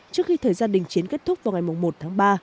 trước khi thời gian đình chiến kết thúc vào ngày một tháng ba